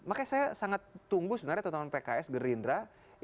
makanya saya sangat tunggu sebenarnya teman teman pks gerindra